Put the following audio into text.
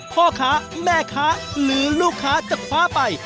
พ่อค้าแม่ค้าหรือลูกค้าจะคว้าไป